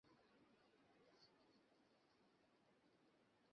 কোনো নীচ উৎপাত করে নি?